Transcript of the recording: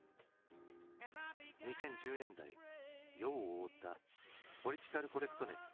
２０１０年代世を覆ったポリティカル・コレクトネス。